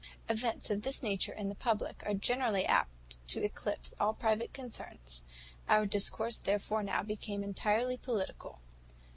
"Events of this nature in the public are generally apt to eclipse all private concerns. Our discourse therefore now became entirely political.